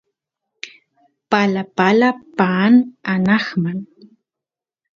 palapala paan anqman